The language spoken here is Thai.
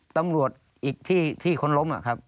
ตำรวจอีกที่คนล้มอะครับ